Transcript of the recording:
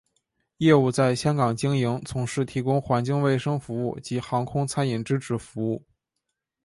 业务在香港经营从事提供环境卫生服务及航空餐饮支持服务。